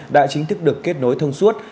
đã chính thức được kết nối thông suốt